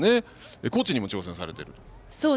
コーチにも挑戦されていると？